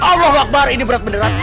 allahuakbar ini berat beneran